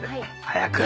早く！